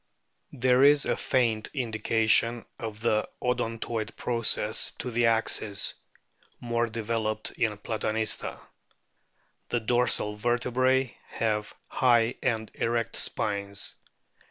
There is a faint indication of an odontoid process to the axis, more developed in Platanista. The dorsal vertebrae have high and erect spines.